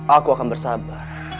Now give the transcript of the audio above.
aku akan bersabar